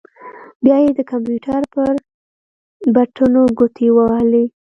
بيا يې د کمپيوټر پر بټنو ګوتې ووهلې.